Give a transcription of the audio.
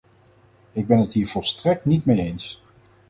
Ik ben het hier volstrekt niet mee eens.